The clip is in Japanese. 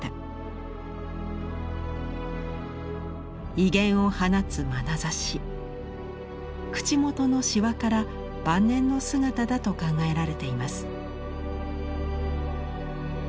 威厳を放つまなざし口元のしわから晩年の姿だと考えられています。